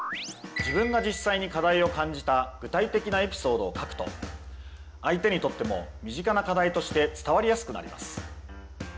「自分が実際に課題を感じた具体的なエピソード」を書くと相手にとっても身近な課題として伝わりやすくなります。